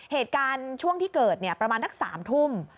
เหตุการณ์ช่วงที่เกิดประมาณสัก๓ทุ่ม